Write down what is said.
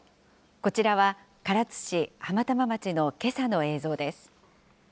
こちらは唐津市浜玉町のけさの映像です。